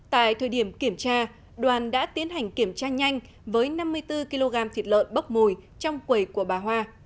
tại thời điểm kiểm tra đoàn đã tiến hành kiểm tra nhanh với năm mươi bốn kg thịt lợn bốc mùi trong quầy của bà hoa